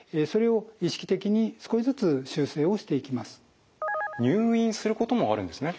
その過程で入院することもあるんですね。